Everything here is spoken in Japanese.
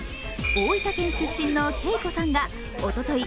大分県出身のＫＥＩＫＯさんがおととい